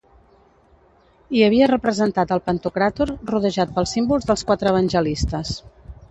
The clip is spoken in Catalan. Hi havia representat el pantocràtor rodejat pels símbols dels quatre evangelistes.